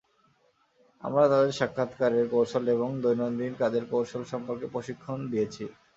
আমরা তাদের সাক্ষাৎকারের কৌশল এবং দৈনন্দিন কাজের কৌশল সম্পর্কে প্রশিক্ষণ দিয়েছি।